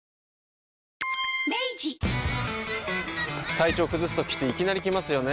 体調崩すときっていきなり来ますよね。